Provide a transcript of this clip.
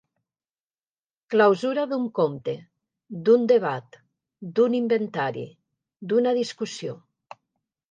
Clausura d'un compte, d'un debat, d'un inventari, d'una discussió.